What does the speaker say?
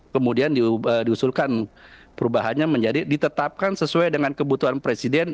kemudian diusulkan perubahannya menjadi ditetapkan sesuai dengan kebutuhan presiden